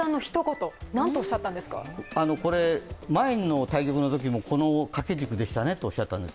前の対局のときも、この掛け軸でしたねとおっしゃったんです。